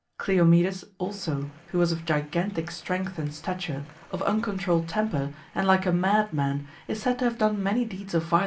Cleomedes also, who was of gigantic strength and stature, of uncontrolled temper, and like a mad man, is said to have done many deeds 1 Cf.